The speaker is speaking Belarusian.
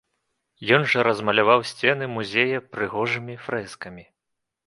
Ён жа размаляваў сцены музея прыгожымі фрэскамі.